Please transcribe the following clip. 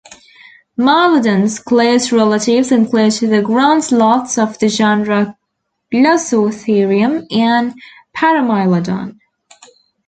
"Mylodon"'s close relatives include the ground sloths of the genera "Glossotherium" and "Paramylodon".